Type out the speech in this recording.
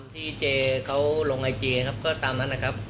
โปรกัสปฏิที่ฟุตบอลให้มาก